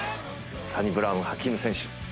サニブラウンハキーム選手